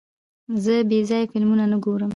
زه بېځایه فلمونه نه ګورم.